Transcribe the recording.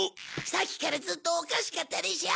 さっきからずっとおかしかったでしょ？